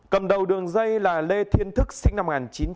cầm đầu đường dây là lê thiên thức sinh năm một nghìn chín trăm chín mươi tám